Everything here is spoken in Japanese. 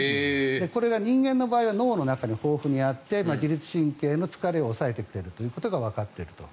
これが人間の場合は脳の中に豊富にあって自律神経の疲れを抑えてくれるということがわかっていると。